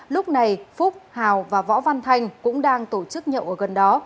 lúc này phúc hào và võ văn thanh cũng đang tổ chức nhậu ở gần đó